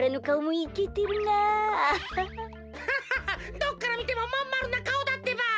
ぎゃははどっからみてもまんまるなかおだってば。